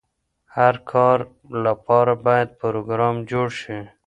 هر کار لپاره باید پروګرام جوړ شي.